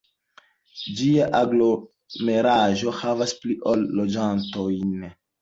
Ĝia aglomeraĵo havas pli ol loĝantojn.